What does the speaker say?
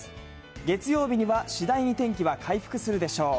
月曜日には次第に天気は回復するでしょう。